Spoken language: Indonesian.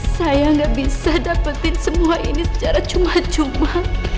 saya nggak bisa dapetin semua ini secara cuma cuma